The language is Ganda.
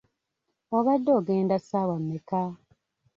Obadde ogenda ssaawa mmeka?